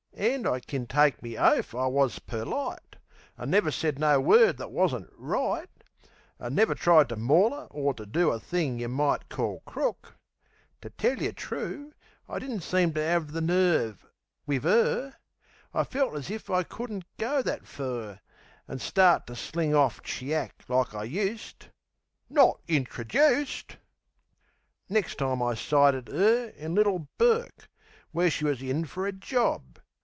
An' I kin take me oaf I wus perlite. An' never said no word that wasn't right, An' never tried to maul 'er, or to do A thing yeh might call crook. Ter tell yeh true, I didn't seem to 'ave the nerve wiv 'er. I felt as if I couldn't go that fur, An' start to sling off chiack like I used... Not INTRAJUICED! Nex' time I sighted 'er in Little Bourke, Where she was in a job.